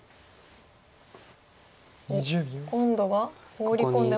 おっ今度はホウリ込んでも。